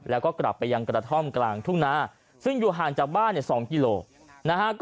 แล้วก็กลับไปยังกระท่อมกลางทุ่งนาซึ่งอยู่ห่างจากบ้าน๒กิโลนะฮะ